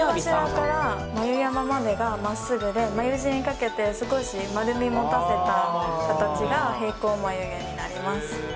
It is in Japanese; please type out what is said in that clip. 眉頭から眉山までがまっすぐで、眉尻にかけて、少し丸み持たせた形が平行眉毛になります。